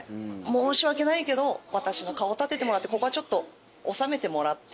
申し訳ないけど私の顔を立ててもらってここはちょっと収めてもらってもいい？